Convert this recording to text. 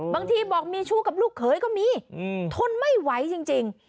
บางทีบอกมีชู้กับลูกเขยก็มีทนไม่ไหวจริง